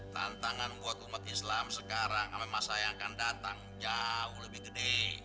tantangan buat umat islam sekarang sama masa yang akan datang jauh lebih gede